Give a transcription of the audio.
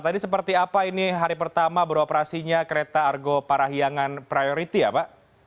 tadi seperti apa ini hari pertama beroperasinya kereta argo parahiangan priority ya pak